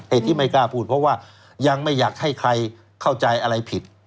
ที่ไม่กล้าพูดเพราะว่ายังไม่อยากให้ใครเข้าใจอะไรผิด